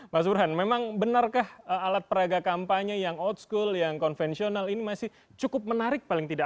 mas burhan memang benarkah alat peraga kampanye yang out school yang konvensional ini masih cukup menarik paling tidak